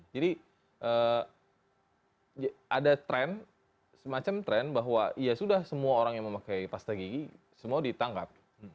jadi ada semacam tren bahwa ya sudah semua orang yang memakai pasta gigi semua ditangkap